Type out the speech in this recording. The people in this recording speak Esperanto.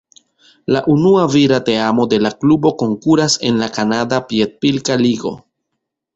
La unua vira teamo de la klubo konkuras en la Kanada piedpilka ligo.